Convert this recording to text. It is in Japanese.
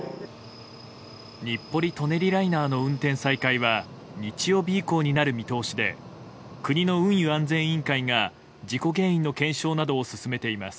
日暮里・舎人ライナーの運転再開は日曜日以降になる見通しで国の運輸安全委員会が事故原因の検証などを進めています。